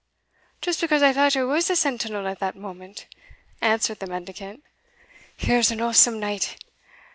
"Just because I thought I was a sentinel at that moment," answered the mendicant. "Here's an awsome night!